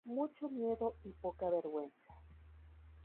Mucho miedo y poca vergüenza